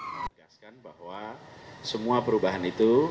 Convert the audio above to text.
saya mengatakan bahwa semua perubahan itu